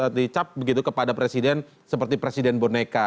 dicap begitu kepada presiden seperti presiden boneka